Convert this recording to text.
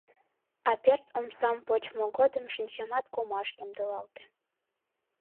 А пӧрт омсам почмо годым шинчамат кумаш ямдылалте.